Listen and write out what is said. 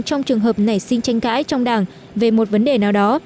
trong trường hợp nảy sinh tranh cãi trong đảng về một vấn đề nào đó